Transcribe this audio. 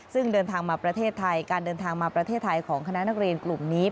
ซึ่งเดินทางมาประเทศไทยการเดินทางมาประเทศไทยของคณะนักเรียนกลุ่มนี้